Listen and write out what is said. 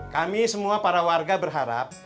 kami semua para warga berharap